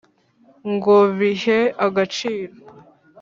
ngo bihe agaciro